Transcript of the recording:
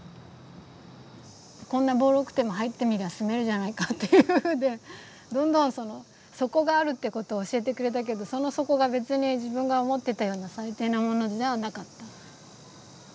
こんなボロくても入ってみりゃ住めるじゃないかっていうんでどんどんその底があるってことを教えてくれたけどその底が別に自分が思ってたような最低なものじゃなかった。